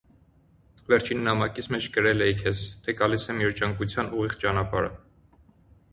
Վերջին նամակիս մեջ գրել էի քեզ, թե գալիս եմ երջանկության ուղիղ ճանապարհը: